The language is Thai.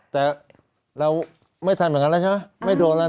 แต่เราไม่ทำอย่างนั้นแล้วใช่ไหมไม่โดนแล้ว